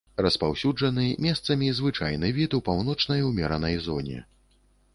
Распаўсюджаны, месцамі звычайны від у паўночнай умеранай зоне.